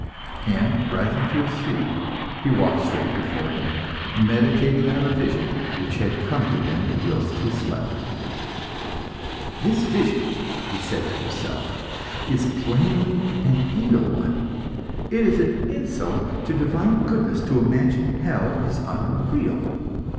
And, rising to his feet, he walked straight before him, meditating on the vision which had come to him whilst he was asleep. "This vision," he said to himself, "is plainly an evil one; it is an insult to divine goodness to imagine hell is unreal.